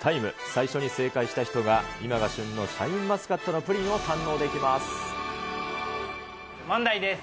最初に正解した人が今が旬のシャインマスカットのプリンを堪能で問題です。